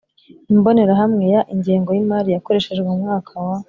Imbonerahamwe ya Ingengo y imari yakoreshejwe mu mwaka wa